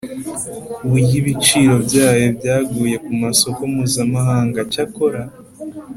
ku buryo ibiciro byayo byaguye ku masoko mpuzamahanga. cyakora